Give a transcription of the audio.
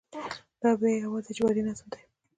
دا بیا یوازې اجباري نظم دی.